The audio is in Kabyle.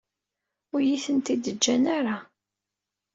Ur iyi-tent-id-ǧǧan ara.